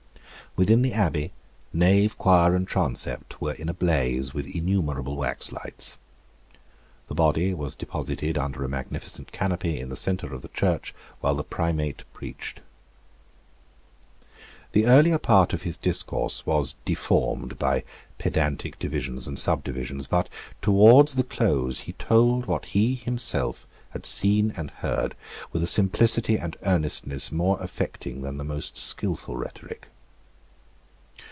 Within the Abbey, nave, choir and transept were in a blaze with innumerable waxlights. The body was deposited under a magnificent canopy in the centre of the church while the Primate preached. The earlier part of his discourse was deformed by pedantic divisions and subdivisions; but towards the close he told what he had himself seen and heard with a simplicity and earnestness more affecting than the most skilful rhetoric.